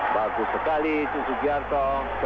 bagus sekali itu sugiarto sepuluh tiga belas